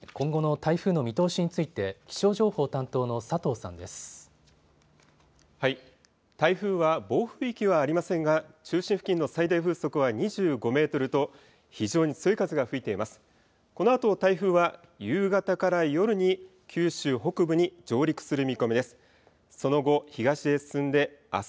台風は暴風域はありませんが中心付近の最大風速は２５メートルと非常に強い風が吹いています。